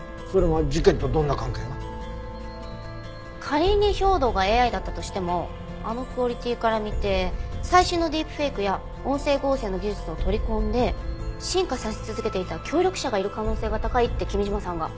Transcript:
仮に兵働がＡＩだったとしてもあのクオリティーから見て最新のディープフェイクや音声合成の技術を取り込んで進化させ続けていた協力者がいる可能性が高いって君嶋さんが。